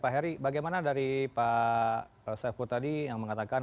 pak heri bagaimana dari pak saiful tadi yang mengatakan